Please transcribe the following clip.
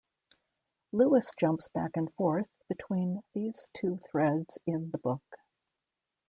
Lewis jumps back and forth between these two threads in the book.